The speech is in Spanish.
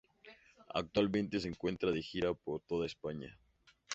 Actualmente se encuentra de gira por toda España.